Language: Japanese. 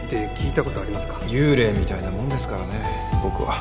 幽霊みたいなもんですからね僕は